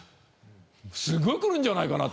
すごい来るんじゃないかな。